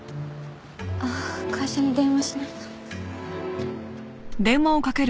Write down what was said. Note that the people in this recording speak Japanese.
ああ会社に電話しないと。